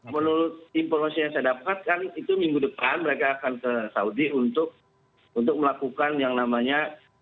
menurut informasi yang saya dapatkan itu minggu depan mereka akan ke saudi untuk melakukan yang namanya